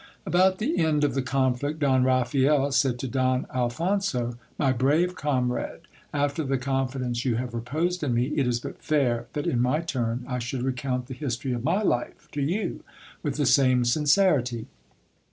About the end of the conflict, Don Raphael said to Don Alphonso — My brave comrade, after the confidence you have reposed in me, it is but fair that in my turn I should recount the history of my life to you with the same sincerity.